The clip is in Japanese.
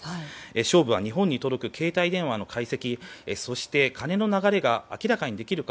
勝負は日本に届く携帯電話の解析そして、金の流れが明らかにできるか。